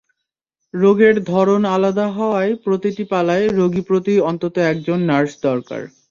রোগের ধরন আলাদা হওয়ায় প্রতিটি পালায় রোগীপ্রতি অন্তত একজন নার্স দরকার।